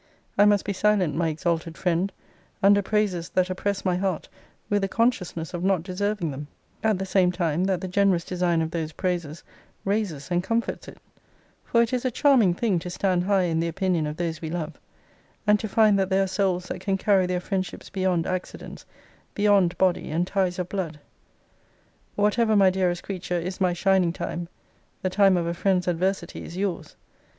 I must be silent, my exalted friend, under praises that oppress my heart with a consciousness of not deserving them; at the same time that the generous design of those praises raises and comforts it: for it is a charming thing to stand high in the opinion of those we love; and to find that there are souls that can carry their friendships beyond accidents, beyond body and ties of blood. Whatever, my dearest creature, is my shining time, the time of a friend's adversity is yours.